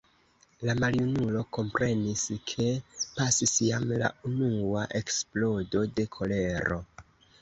La maljunulo komprenis, ke pasis jam la unua eksplodo de kolero.